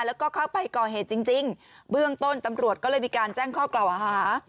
แล้วก็เข้าไปก่อเหตุจริงจริงเบื้องต้นตำรวจก็เลยมีการแจ้งข้อกล่าวหา